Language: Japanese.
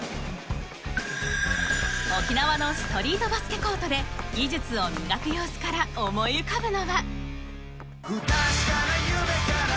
沖縄のストリートバスケコートで技術を磨く様子から思い浮かぶのは。